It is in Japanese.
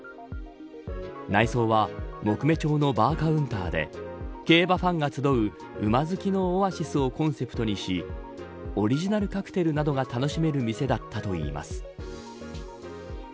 内装は木目調のバーカウンターで競馬ファンが集う馬好きのオアシスをコンセプトにしオリジナルカクテルなどが楽しめる店だったといいます。